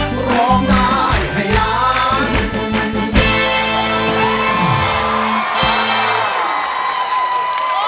ดรร้องได้พยายาม